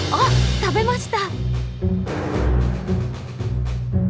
食べました！